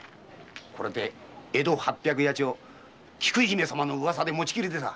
これで江戸八百八町菊姫様の噂で持ちきりでさ。